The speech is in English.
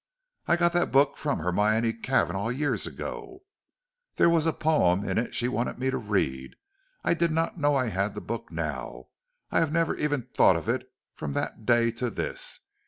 "I got that book from Hermione Cavanagh years ago; there was a poem in it she wanted me to read. I did not know I had the book now. I have never even thought of it from that day to this.